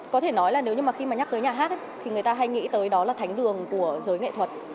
có thể nói là nếu như mà khi mà nhắc tới nhà hát thì người ta hay nghĩ tới đó là thánh đường của giới nghệ thuật